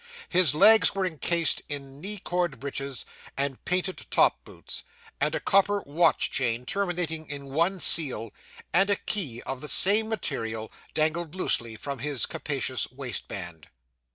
His legs were encased in knee cord breeches, and painted top boots; and a copper watch chain, terminating in one seal, and a key of the same material, dangled loosely from his capacious waistband.